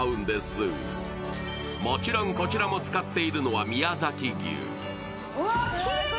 もちろんこちらも使っているのは宮崎牛。